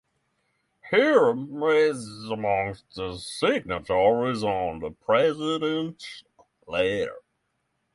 Hiram is among the signatories of the "Presidents Letter".